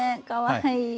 かわいい。